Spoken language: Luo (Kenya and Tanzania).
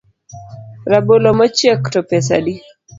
Rabolo mochiek to pesa adi?